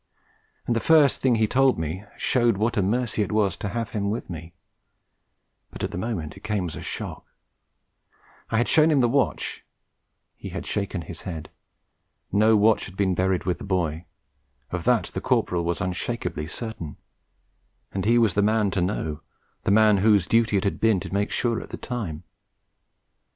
And the first thing he told me showed what a mercy it was to have him with me; but at the moment it came as a shock. I had shown him the watch; he had shaken his head. No watch had been buried with the boy; of that the Corporal was unshakably certain; and he was the man to know, the man whose duty it had been to make sure at the time.